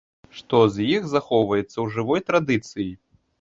Што з іх захоўваецца ў жывой традыцыі?